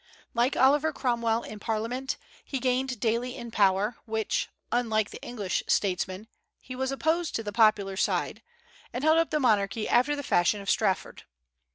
Like Oliver Cromwell in Parliament, he gained daily in power, while, unlike the English statesman, he was opposed to the popular side, and held up the monarchy after the fashion of Strafford.